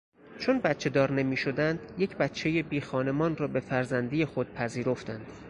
چون بچهدار نمیشدند یک بچه بیخانمان را به فرزندی خود پذیرفتند.